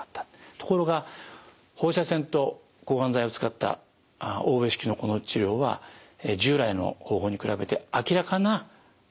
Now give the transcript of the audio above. ところが放射線と抗がん剤を使った欧米式のこの治療は従来の方法に比べて明らかな改善が見られなかった。